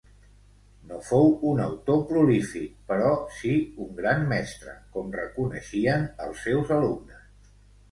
No fou un autor prolífic però sí un gran mestre, com reconeixien els seus alumnes.